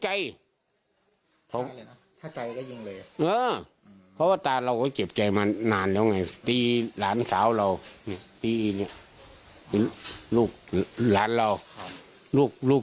แฟพรประวัตราเราก็เจ็บใจมานานแล้วไงถ้าลูกล้านเขาเราลูก